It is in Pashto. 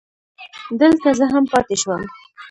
دلته زه هم پاتې شوم.